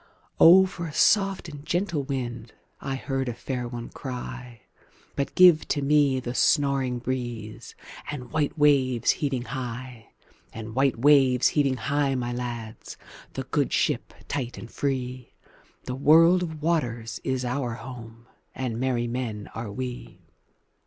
"O for a soft and gentle wind!"I heard a fair one cry:But give to me the snoring breezeAnd white waves heaving high; And white waves heaving high, my lads, The good ship tight and free—The world of waters is our home, And merry men are we.